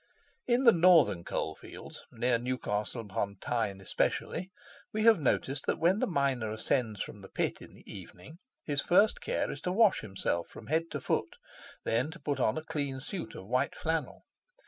In the northern coal fields, near Newcastle on Tyne especially, we have noticed that when the miner ascends from the pit in the evening, his first care is to wash himself from head to foot, and then to put on a clean suit of white flannel.